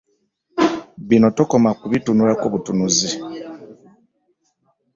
Bino tokoma kubitunulako butunuzi.